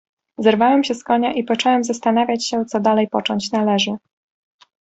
"Zerwałem się z konia i począłem zastanawiać się, co dalej począć należy."